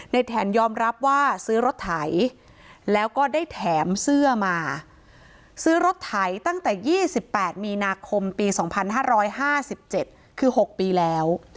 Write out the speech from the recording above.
แถนยอมรับว่าซื้อรถไถแล้วก็ได้แถมเสื้อมาซื้อรถไถตั้งแต่๒๘มีนาคมปี๒๕๕๗คือ๖ปีแล้ว